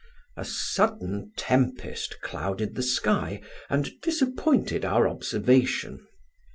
A sudden tempest clouded the sky and disappointed our observation.